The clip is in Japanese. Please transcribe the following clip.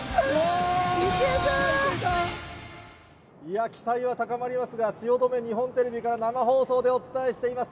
いや、期待は高まりますが、汐留、日本テレビから生放送でお伝えしています。